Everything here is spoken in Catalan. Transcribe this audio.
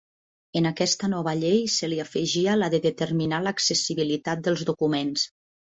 En aquesta nova llei se li afegia la de determinar l'accessibilitat dels documents.